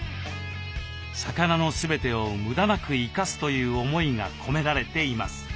魚の全てを無駄なく生かすという思いが込められています。